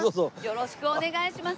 よろしくお願いします。